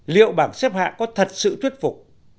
liệu bảng xếp hạn có thật sự thuyết phục